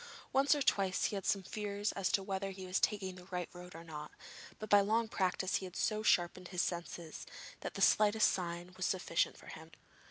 Once or twice he had some fears as to whether he was taking the right road or not, but by long practice he had so sharpened his other senses that the slightest sign was sufficient for him.